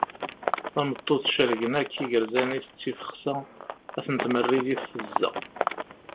Tameṭṭut cergen akk igerzan-is d tifexsa ad ten-tmerri di tfezza.